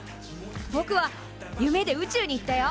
ぼくは夢で宇宙に行ったよ。